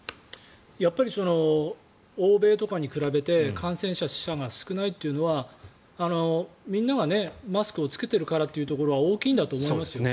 やっぱり欧米とかに比べて感染者、死者が少ないというのはみんながマスクを着けてるからというところは大きいんだと思いますよ。